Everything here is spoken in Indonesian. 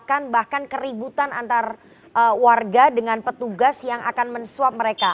bahkan bahkan keributan antar warga dengan petugas yang akan mensuap mereka